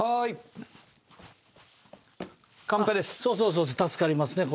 そうそう助かります